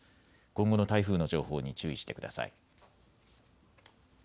今後の台風の情報に注意してください。